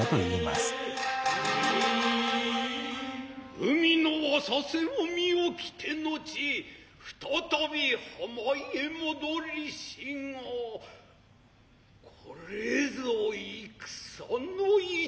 海の浅瀬を見おきて後再び浜へ戻りしがこれぞ戦の一大事。